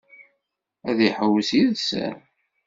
Ad iḥewwes yid-sen?